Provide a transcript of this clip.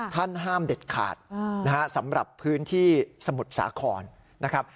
ห้ามเด็ดขาดนะฮะสำหรับพื้นที่สมุทรสาครนะครับ